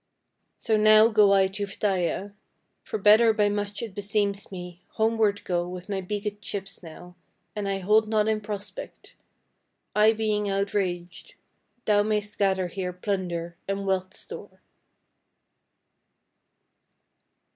So now go I to Phthia, for better by much it beseems me Homeward go with my beaked ships now, and I hold not in prospect, I being outraged, thou mayst gather here plunder and wealth store."